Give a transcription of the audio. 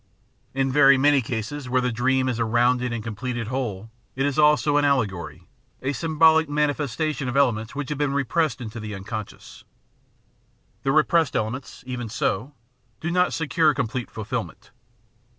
In very many cases where the dream is a rounded and com pleted whole it is also an aUegory, a symbolic manifestation of elements which have been repressed into the unconscious. The repressed elements, even so, do not secure complete fulfilment.